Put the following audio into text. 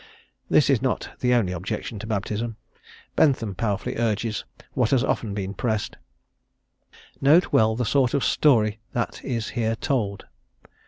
This is not the only objection to baptism. Bentham powerfully urges what has often been pressed: "Note well the sort of story that is here told.